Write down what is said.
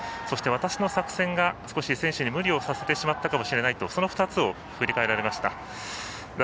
そして私の作戦が、少し選手に無理をさせてしまったかもしれないとその２つを振り返られました。